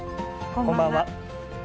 こんばんは。